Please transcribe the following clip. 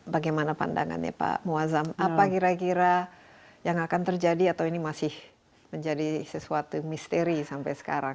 bagaimana pandangannya pak muazzam apa kira kira yang akan terjadi atau ini masih menjadi sesuatu misteri sampai sekarang